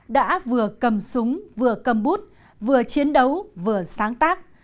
đã vừa cầm súng vừa cầm bút vừa chiến đấu vừa sáng tác